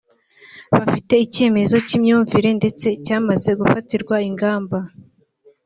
bafite ikibazo cy’imyumvire ndetse cyamaze gufatirwa ingamba